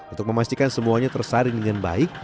untuk memastikan semuanya tersaring dengan baik